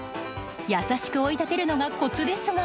優しく追い立てるのがコツですが。